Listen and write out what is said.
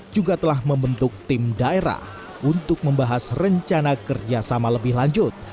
juga telah membentuk tim daerah untuk membahas rencana kerjasama lebih lanjut